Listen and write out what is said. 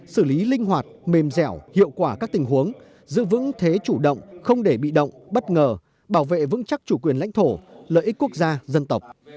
xử lý linh hoạt mềm dẻo hiệu quả các tình huống giữ vững thế chủ động không để bị động bất ngờ bảo vệ vững chắc chủ quyền lãnh thổ lợi ích quốc gia dân tộc